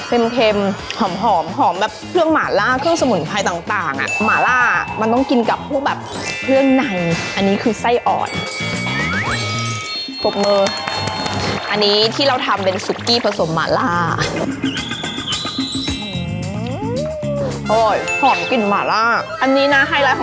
ซึ่งเป็นรสชาติแบบเผ็ดปกตินะคะ